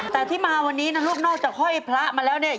แต่ที่มาวันนี้นะลูกนอกจากห้อยพระมาแล้วเนี่ย